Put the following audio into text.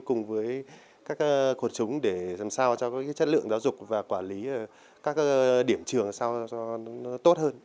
cùng với các khuôn trúng để làm sao cho cái chất lượng giáo dục và quản lý các điểm trường sao cho nó tốt hơn